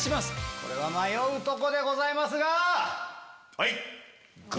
これは迷うとこでございますが！